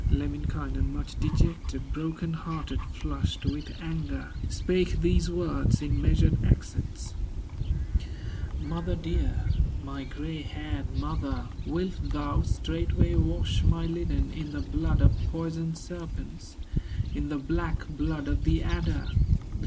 Lemminkainen, much dejected, Broken hearted, flushed with anger, Spake these words in measured accents: "Mother dear, my gray haired mother, Wilt thou straightway wash my linen In the blood of poison serpents, In the black blood of the adder?